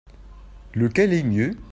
Lequel est mieux ?